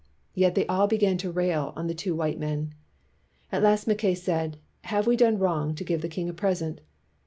Yet they all began to rail on the two white men. At last Mackay said, "Have we done wrong to give the king a present?"